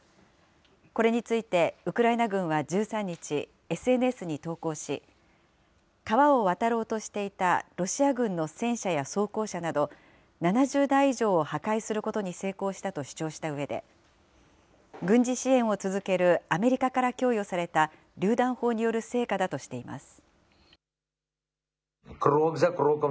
これについて、ウクライナ軍は１３日、ＳＮＳに投稿し、川を渡ろうとしていたロシア軍の戦車や装甲車など、７０台以上を破壊することに成功したと主張したうえで、軍事支援を続けるアメリカから供与されたりゅう弾砲による成果だとしています。